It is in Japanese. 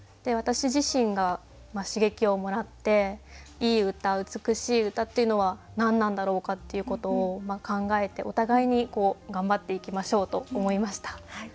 私自身が刺激をもらっていい歌美しい歌っていうのは何なんだろうかっていうことを考えてお互いに頑張っていきましょうと思いました。